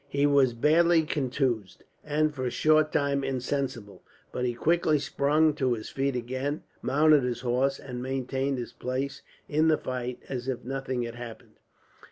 He was badly contused, and for a short time insensible; but he quickly sprung to his feet again, mounted his horse, and maintained his place in the fight as if nothing had happened.